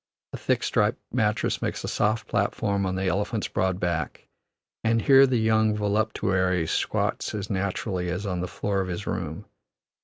A thick, striped mattress makes a soft platform on the elephant's broad back, and here the young voluptuary squats as naturally as on the floor of his room.